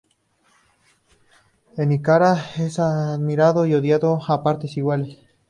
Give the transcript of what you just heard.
En Icaria es admirado y odiado a partes iguales.